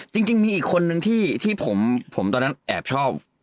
จริงมีอีกคนนึงที่ผมตอนนั้นแอบชอบ